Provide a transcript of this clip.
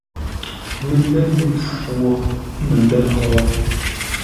Məndə̂ mi mpfu wo məndə̂ hó?